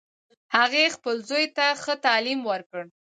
هغې خپل زوی ته ښه تعلیم ورکړ